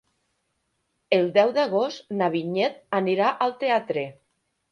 El deu d'agost na Vinyet anirà al teatre.